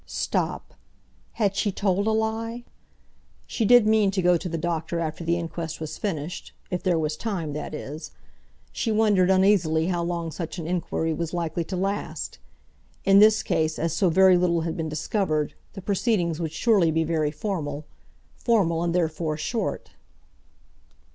Stop—had she told a lie? She did mean to go to the doctor after the inquest was finished—if there was time, that is. She wondered uneasily how long such an inquiry was likely to last. In this case, as so very little had been discovered, the proceedings would surely be very formal—formal and therefore short.